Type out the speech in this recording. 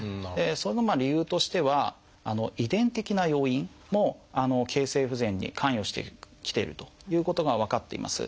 その理由としては遺伝的な要因も形成不全に関与してきているということが分かっています。